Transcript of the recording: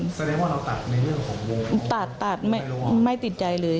แสดงว่าเราตัดในเรื่องของวงตัดตัดไม่ไม่ติดใจเลย